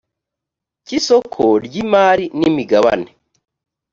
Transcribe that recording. cy isoko ry imari n imigabane